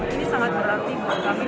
ini sangat berarti buat kami